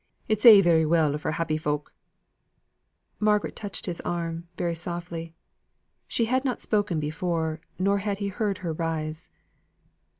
It's a' very well for happy folk" Margaret touched his arm very softly. She had not spoken before, nor had he heard her rise.